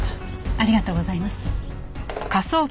ありがとうございます。